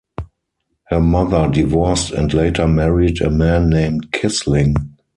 Her mother divorced and later married a man named Kissling.